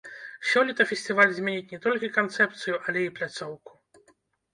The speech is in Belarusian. Сёлета фестываль зменіць не толькі канцэпцыю, але і пляцоўку.